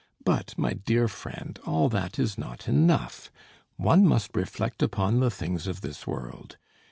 But, my dear friend, all that is not enough; one must reflect upon the things of this world.